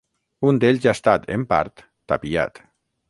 Un d'ells ha estat, en part, tapiat.